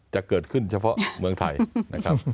จะเกิดขึ้นเฉพาะเมืองไทยนะครับ